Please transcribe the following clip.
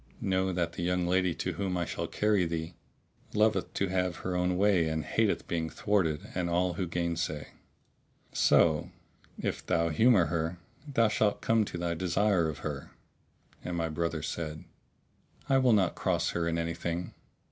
Know, that the young lady, to whom I shall carry thee, loveth to have her own way and hateth being thwarted and all who gainsay; so, if thou humour her, thou shalt come to thy desire of her." And my brother said, "I will not cross her in anything."